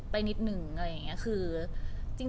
ไปนิดหนึ่ง